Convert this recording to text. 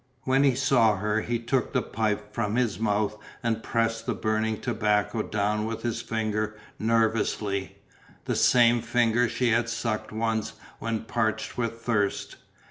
When he saw her he took the pipe from his mouth and pressed the burning tobacco down with his finger nervously, the same finger she had sucked once when parched with thirst.